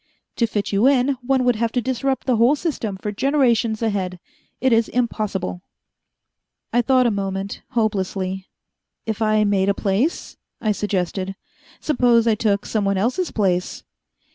To fit you in, one would have to disrupt the whole system for generations ahead. It is impossible." I thought a moment, hopelessly. "If I made a place?" I suggested. "Suppose I took someone else's place?"